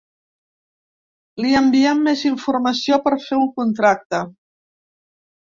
Li enviem més informació per fer un contracte.